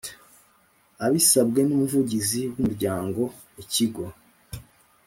Abisabwe n umuvugizi w umuryango ikigo